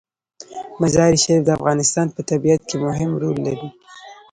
مزارشریف د افغانستان په طبیعت کې مهم رول لري.